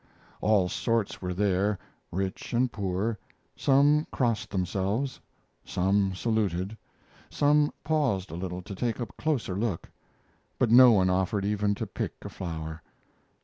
All sorts were there, rich and poor; some crossed themselves, some saluted, some paused a little to take a closer look; but no one offered even to pick a flower.